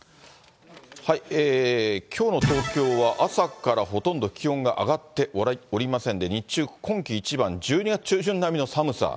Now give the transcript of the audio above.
きょうの東京は朝からほとんど気温が上がっておりませんで、日中、今季一番、１２月中旬並みの寒さ。